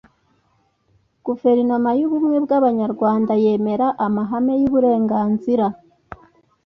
guverinoma y'ubumwe bw'abanyarwanda yemera amahame y'uburenganzira